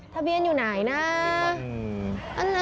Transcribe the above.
ทะเบียนอยู่ไหนนะ